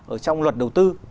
ở trong luật đầu tư